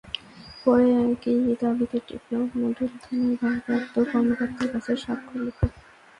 পরে একই দাবিতে টেকনাফ মডেল থানার ভারপ্রাপ্ত কর্মকর্তার কাছে স্মারকলিপি দেওয়া হয়।